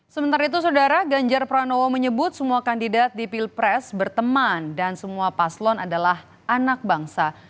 sementara itu saudara ganjar pranowo menyebut semua kandidat di pilpres berteman dan semua paslon adalah anak bangsa